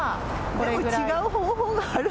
でも違う方法がある。